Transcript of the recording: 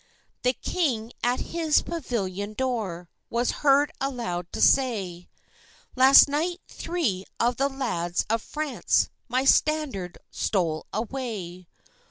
The king, at his pavilion door, Was heard aloud to say: "Last night, three of the lads of France My standard stole away.